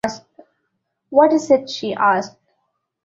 “What is it?” she asked.